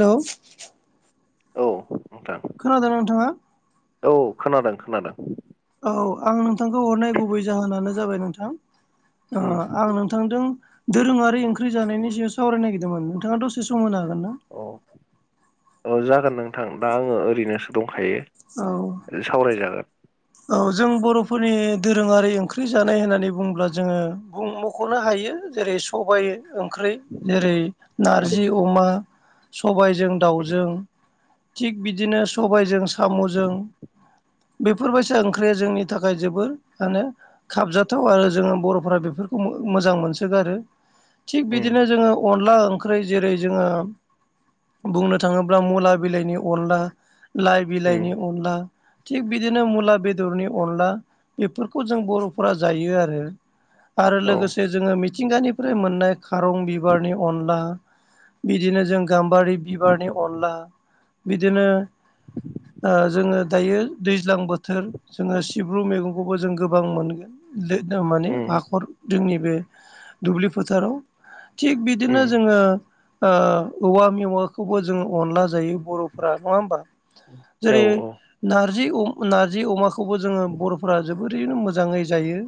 Hello औ नोंथां खोनादों नोंथाङा? औ खोनादों खोनादों औ आं नोंथांखौ हरनाय गुबै जाहोनानो जाबाय नोंथां अ उम आं नोंथांदों दोरोङारि ओंख्रि जानायनि सायाव सावराय नागिरदोंमोन नोंथाङा दसे सम होनो हागोन ना? औ औ जागोन नोंथां दा आङो ओरैनोसो दंखायो औ सावरायजागोन औ जों बर'फोरनि दोरोङारि ओंख्रि जानाय होननानै बुङोब्ला जोङो बुं मख'नो हायो जेरै सबाइ ओंख्रि जेरै औ नारजि अमा सबायजों दाउजों थिग बिदिनो सबायजों साम'जों बेफोरबायसा ओंख्रिया जोंनि थाखाय जोबोर माने खाबजाथाव आरो जोङो बर'फोरा बेफोरखौ मोजां मोनसोगारो थिग उम बिदिनो जोङो अनला-ओंख्रि जेरै जोङो बुंनो थाङोब्ला मुला बिलाइनि, अनला लाइ उम बिलाइनि अनला थिग बि दिनो मुला बेदरनि अनला बेफोरखौ जों बर'फोरा जायो आरो। आरो औ लोगोसे जोङो। मिथिंगानिफ्राय मोननाय खारं बिबारनि अनला बिदिनो जों गाम्बारि बिबारनि अनला बिदिनो ओ जोङो दायो दैज्लां बोथोर जोङो सिब्रु मैगंखौबो जों गोबां मोनो। माने उम हाखर जोंनि बे दुब्लि फोथाराव थिग बिदिनो उम जोङो। औवा मेवाखौबो जोंङो अनला जायो बर'फोरा नङा होमबा। औ जेरै औ नार्जि नार्जि अमाखौबो जोङो बर'फोरा जोब बोरैनो मोजाङै जायो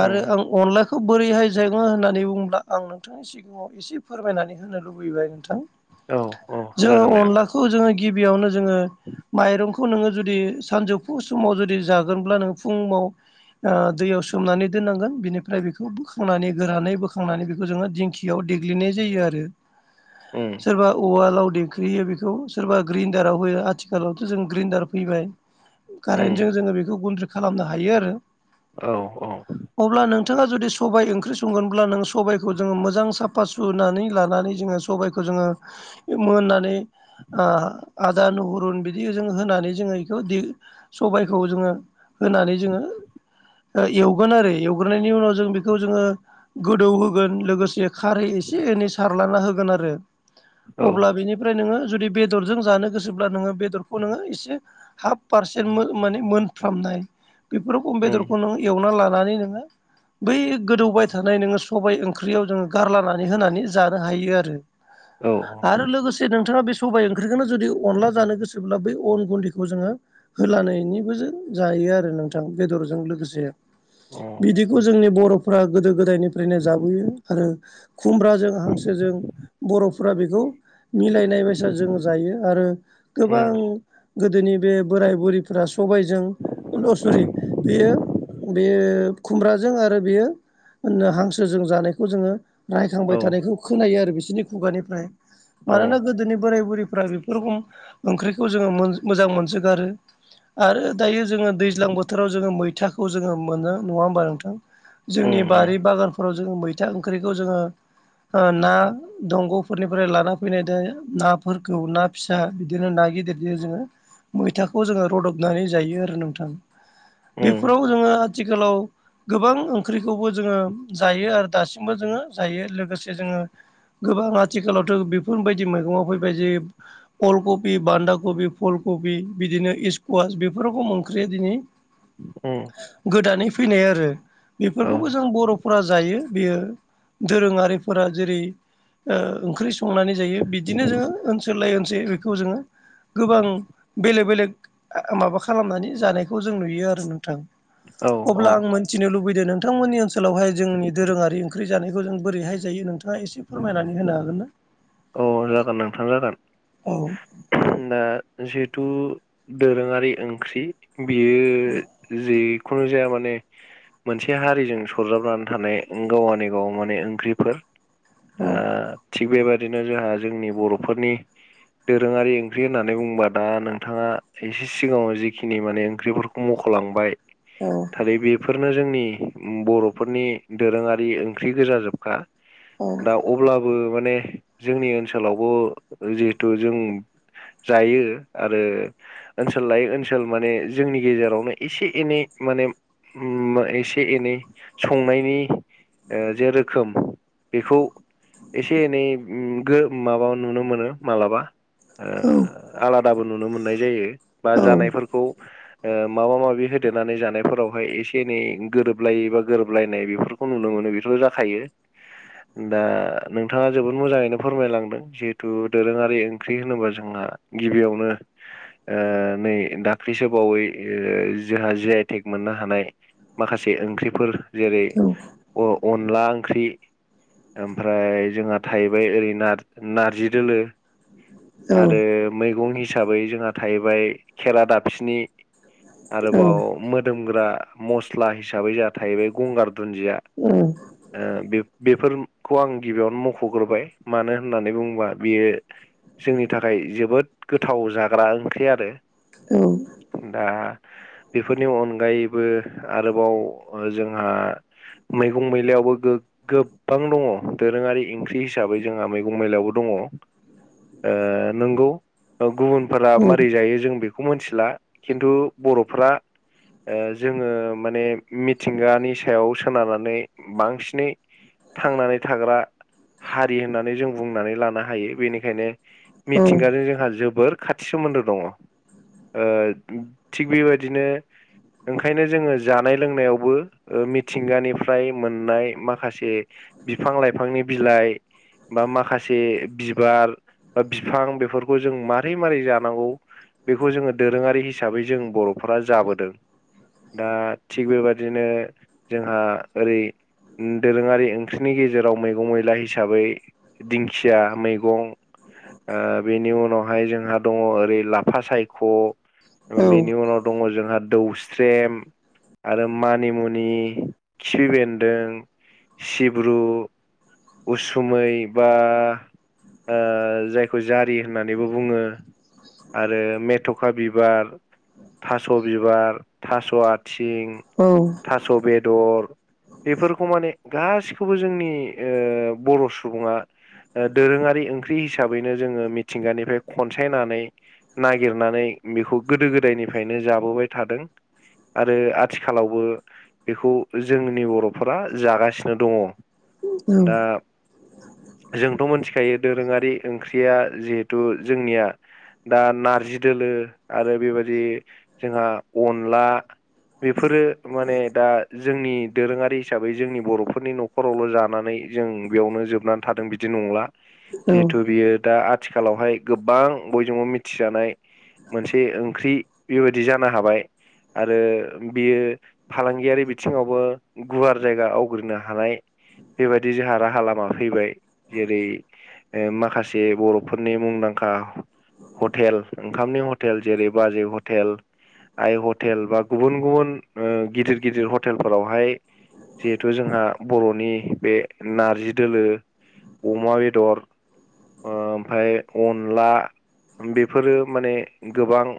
उम आरो आं अनलाखौ खौ बोरैहाय जायो होननानै बुंङोब्ला आं नोंथांनि सिगाङाव एसे फोरमायनानै होनो लुबैबाय नोंथां औ औ जागोन दे। खौ जोङो गिबियावनो जोङो माइरंखौ नोङो जुदि जुदि सानजौफु समाव जुदि जागोनब्ला नों फुुंङाव दैयाव सोमनानै दोननांगोन बिनिफ्राय बेखौ बोखांनानै गोरानै बोखांनानै बेखौ जोङो दिंखि याव देग्लिनाय जायो आरो उम सोरबा औवा उवालाव दे गोख्रेयो [unintelligible] बेखौ सोरबा ग्र्रिन्दडाराव होयो आथिखालावथ' जों ग्रेन्दडार फैबाय। उम कारेन्टजों जोङो बेखौ गन्द्रि खालामनो हायो आरो। औ औ। अब्ला नोंथाङा जुदि सबाइ ओंख्रि संगोनब्ला नों सबाइखौ जोङो मोजां साबो साफा सुनानै लानानै जोङो सबायखौ जोङो मोननानैनो ओ आदा नहुरुन बिदि जों होनानैनो जोङो बेखौ सबायखौ जोङो होनानै जोङो। एवगोन आरो एवग्रानि उनाव जों बेखौ जोङो गोदौ होगोन लोगोसे। खारै एसे एनै सारला होगोन आरो औ अब्ला बेनिफ्रा ओमफ्राय नोङो जुदि बेदरजों जानो गोसोब्ला नोङो बेदरखौ नोङो एसे हाफ पारसेन्ट माने मोनफ्रामनाय बेफोरखौ उम बेदरखौ नंनोङो एवना लानानै नोङो। बै गोदौबाय थानाय नोङो सबाय ओंख्रियाव जोङो गारलानानै होनानै जानो हायो आरो। [unintelligible] औ। औ आरो लोगोसे नोंथाङा बे सबाय ओंख्रिखौनो जुदि अनला जानो गोसोब्ला बै अन गुन्दैखौबो बेखौ जोङो होलानायनिबो जायो आरो नोंथां बेदरजों लोगोसे। औ बिदिखौ जोंनि बर'फ्रा गोदो-गोदायनिफ्रायनो जाबोयो आरो। खुमब्राजों हांसोजों बर'फोरा बेखौहा मिलायनाय बाय साजों जायो आरो उम गोबां गोदोनि बे बोराय बुरिफोरा सबायजों सरि बेयो बेयो खुमब्राजों आरो बेयो हांसोजों जानायखौ जोङो औ रायखांबाय थानायखौ खोनायो आरो बिसोरनि खुगानिफ्राय औ मानोना गोदोनि बोराय बुरैफ्रा बे बेुरुखुम ओंख्रिखौ जोङो मोजां मोनजोगारोनआ आ दायो जोङो दैज्लां बोथोराव जोङो मैथाखौ जोङो मोनो नङा होमबा नोंथां? जोंनि उम उम बारि बागानफोराव जोङो मैथा ओंख्रिखौ जोङो ओ ना दंग'फोरनिफ्राय लाना फैनाय दा नाफोरखौ ना फिसा बिदिनो ना गिदिरजों जोङो ओ मैथाखौ जोङो रूदबनानै जायो आरो नोंथां उम बेफोराव जोङो आथिखालाव ओ गोबां ओंख्रिखौबो जोङो जायो आरो दासिमबो जोङो जायो लोगोसे जोङो गोबां आथिखालावथ' बेफोरबायदि मैगङाव फैबाय जे अलकबि, बानदा कबि फुल कबि बिदिनो इस्कुवास बेफोरावबो ओंख्रिया दिनै ओम। गोदानै फैनाय आरो औ बेफोरखौबो जों बर'फोरा जायो बेयो दोरोङारिफोरा जेरै ओ ओंख्रि संनानै जायो बिदिनो जोङो ओनसोल लायै ओनसोल बेखौ जोङो गोबां बेलेग बेलेग माबा खालामनानै जानायखौ जों नुयो आरो नोंथां। औ औ अब्ला आं मिथिनो लुबैदों नोंथांमोननि ओनसोलावहाय जोंनि दोरोङारि ओंख्रि जानायखौ जों बोरैहाय जायो नोंथां। नोंथाङा एसे फोरमायनानै होनो हागोन ना? औ जागोन नोंथां जागोन। औ ओ दा जिहेथु दोरोङारि ओंख्रि बेयो जिखुनु जाया माने मोनसे हारिजों सरजाबनानै थानाय गावानि गाव माने ओंख्रिफोर। ओ औ थिग बेबायादिनो जोंहा जोंनि बर'फोरनि दोरोङारि ओंख्रि होननानै बुंबा दा नोंथाङा एसे सिगाङाव जिखिनि माने ओंख्रिफोरखौ मख'लांबाय। औ आरो बेफोरनो जोंनि बर'फोरनि दोरोङारि ओंख्रि गोजा जोबखा। औ दा अब्लाबो माने जोंनि ओनसोलावबो जिहेथु जों जायो आरो ओनसोल लायै ओनसोल माने जोंनि गेजेरावनो एसे एनै माने ओम एसे एनै संनायनि ओ जेे रोखोम बेखौ एसे एनै ओम गो माबायाव नुनो मोनो मालाबा आ आलादाबो नुनो मोननाय जायो बा औ जानायफोरखौ ओ माबा माबि होदेरनानै जानायफोरावहाय एसे एनै गोरोबलायो बा गोरोबलायनाय बेफो खौ नुनो मोनो बेथ जाखायो दा नोंथाङा जोबोद मोजाङैनो फोरमायलांदों जिहेतु दोरोङारि ओंख्रि होनोबा जोंहा गिबियावनो ओ नै दाख्लिसो बावै जोंहा जि आइ टेक मोननो हानाय माखासे ओंख्रिफोर जेरै अनला ओंख्रि ओमफ्राय जोंहा थाहैबाय ओरै नारजि दोलो औ आरो मैगंनि हिसाबै जोंहा थाहैबाय खेरा दाफिनि औ आरोबाव मोदोमग्रा मस्ला हिसाबै जोंहा थाहैबाय गंगार दुन्दिया। ओम ओ‌ बे‌ बेफोरखौ आं गिबियावनो मख' ग्रोबाय मानो होननानै बुङोबा बियो जोंनि थाखाय जोबोद गोथाव जाग्रा ओंख्रि आरो ‌। औ दा बेफोरनि अनगायैबो आरोबाव जोंहा मैगं मैलायावबो गोबां दङ दोरोङारि ओं ख्रि हिसाबै जोंहा मैगं मैलायावबो दङ ओ नंगौ गुबुनफोरा मारै जायो जों बेखौ मोनथिला खिन्थु बर'फ्रा ओ जोङो माने मिथिंगानि सायाव सोनारनानै बांसिनै थांनानै थाग्रा हारि होननानै जों बुंनानै लानो हायो बेनिखायनो मिथिंगाजों जोंहा जोबोर खाथि सोमोन्दो दङ ओ थिग बेबायदिनो ओंखायनो जोङो जानाय लोंनायावबो मिथिंगानिफ्राय मोननाय माखासे बिफां लाइफांनि बिलाइ बा माखासे बिबार बा बिफां बेफोरखौ जों मारै मारै जानांगौ? बेखौ जोङो दोरोङारि हिसाबै जों बर'फोरा जाबोदों दा थिग बेबादिनो जोंहा ओरै दोरोङारि ओंख्रिनि गेजेराव मैगं मै ला हिसाबै दिंखिया मैगं ओ बेनि उनावहाय जोंहा दङ ओरै लाफा सायख' बेनि उनाव दङ जोंहा दौस्रेम आरो मानिमुनि खिफि बेन्दों सिब्रु उरसुमै बा ओ जायखौ जारि होननानैबो बुङो आरो मेथ'खा बिबार थास' बिबार थास' आथिं औ थास' बेदर बेफोरखौ माने गासिखौबो जोंनि ओ बर' सुबुङा दोरोङारि ओंख्रि हिसाबैनो जोङो मिथिंगानिफ्राय खनसायनानै नागिरनानै बेखौ गोदो गोदायनिफ्रायनो जाबोबाय थादों आरो आथिखालावबो बेखौ जोंनि बर'फोरा जागासिनो दङ औ दा जोंथ' मोनथिखायो दोरोङारि ओंख्रिया जिहेथु जोंनिया दा नारजि दोलो आरो बेबायदि जोंहा अनला बेफोरो माने दा जोंनि दोरोङारि हिसाबै जोंनि बर'फोरनि न' खरावल' जानानै जों बेयावनो जोबनानै थादों बिदि नंला जिहेथु बियो दा आथिखालावहाय गोबां बयजोंबो मिथिजानाय मोनसे ओंख्रि बेबायदि जानो हाबाय आरो बियो फालांगियारि बिथिङावबो गुवार जायगा आवग्रिनो हानाय बेबायदि जोंहा रा हा लामा फैबाय जेरै माखासे बर'फोरनि मुंदांखा हटेल ओंखामनि हटेल जेरै बाजै हटेल आइ हटेल बा गुबुन गुबुन ओ गिदिर गिदिर हटेलफोरावहाय जिहेथु जोंहा बर'नि बे नार जि दोलो अमा बेदर ओमफाय अनला बेफोरो माने गोबां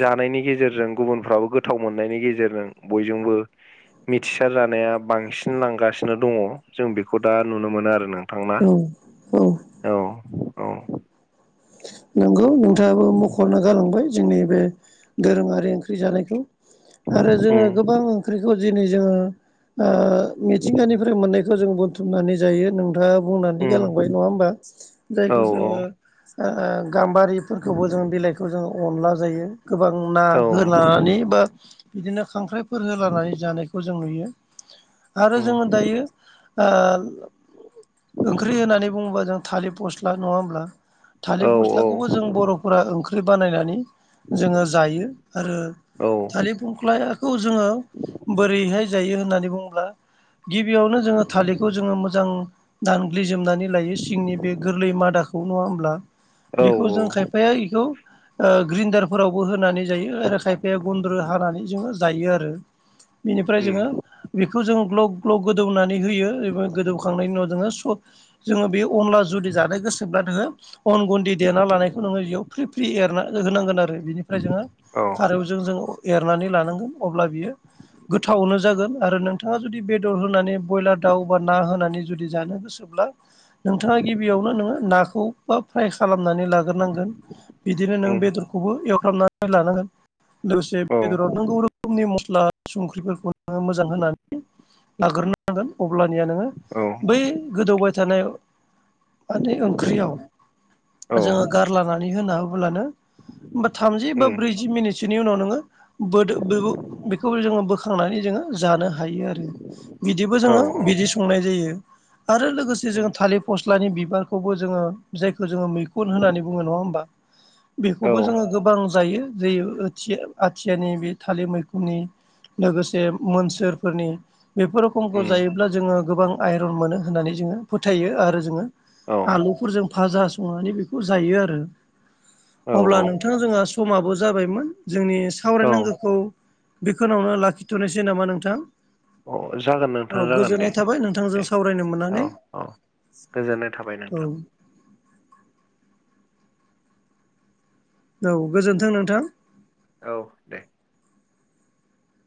जानायनि गेजेरजों गुबुनफ्राबो गोथाव मोननायनि गेजेरजों बयजोंबो मिथिसार जानाया बांसिन लांगासिनो दङ जों बे खौ दा नुनो मोनो आरो नोंथांना औ औ नंगौ नोंथाङाबो मख'ना गालांबाय जोंनि बे दोरोङारि ओंख्रि जानायखौ आरो जोङो गोबां उम ओंख्रिखौ दिनै जोङो ओ मिथिंगानिफ्राय मोननाय खौ जों बुथुमनानै जायो नोंथाङा बुंनानै गालांबाय उम नङा होमबा औ जायखौ जोङो आ आ गाम्बारिफोरखौबो जों बिलाइखौ जों अनला जायो। गोबां ना औ होलानानै बा बिदिनो खांख्राइफोर होलानानै जानायखौ जों नुयो। आरो उम जोङो दायो ओ ओंख्रि होननानै बुङोबा जों थालिर फस्ला नङा होमब्ला औ थालिर फ खौ बर' ओंख्रि बानायनानै जोङो जायो आरो औ थालिर खुंख्लखौ जोङो बोरैहाय जायो होननानै बुङोब्ला गिबियावनो जोङो थालिरखौ जोङो मोजां दानग्लिजोबनानै लायो सिंनि बे गोरलै मादाखौ नङा होमब्ला बेखौ जों औ खायफाया इखौ ओ ग्रिन्दारफोरावबो होनानै जायो आरो खायफाया गुन्द्रु हानानै जोङो जायो आरो। बेनिफ्राय उम जोङो बेखौ जों ग्लब ग्लब गोदौनानै होयो बे गोदौखांनायनि उनाव जोङो स जोङो बे अनला जुदि जानो गोसोब्ला जोङो अन गुदि देना लानायखौ नोङो बेयाव फ्रि फ्रि एरना होनांगोन आरो बिनिफ्राय जोङो औ खारौ जों जों एरनानै लानांगोन अब्ला बियो गोथावनो जागोन आरो नोंथाङा जुदि बेदर होनानै ब्रयलार दाउ बा ना होनानै जुदि जानो गोसोब्ला नोंथाङा गिबियावनो नोङो नाखौ बा फ्राय खालामनानै लाग्रोनांगोन बिदिनो नों उम बेदरखौबो एवफ्रामनानै लानांगोन। लोगोसे औ बेदराव नांगौ रो खोमनि मस्ला संख्रिफोरखौ नोङो मोजां होनानै लाग्रोनांगोन। अब्लानिया नोङो औ बै गोदौबाय थानाय माने ओंख्रियाव जोङो गारलानानै होना होब्लानो होमबा थामजि बा उम ब्रैजि मिनिटसोनि उनाव नोङो बोदो बेखौबो जोङो बोखांनानै जोङो जानो हायो आरो बिदिबो औ जोङो बिदि संनाय जायो आरो लोगो से उम जोङो थालिर फस्लानि बिबारखौबो जोङो जायखौ जोङो मैखुन होननानै बुङो नङा होमबा औ बेखौबो जोङो गोबां जायो जेर आथिया आथियानि बे थालिर मैखुननि लोगोसे मोनसोरफोरनि बेफोराव खमखौ उम जायोब्ला जोङो गोबां आइरन मोनो होननानै जोङो फोथायो आरो जोङो औ आलुफोरजों भाजा संनानै बेखौ जायो आरो औ अब्ला नोंथां जोंहा समाबो जाबायमोन जोंनि औ सावरायनांगौखौ बेखोनावनो लाखिथ'नोसै नामा नोंथां? अ जागोन औ नोंथाङा जागोन दे गोजोननाय थाबाय नोंथांजों दे सावरायनो औ मोननानै औ गोजोननाय थाबाय औ नोंथां औ गोजोन्थों नोंथां औ दे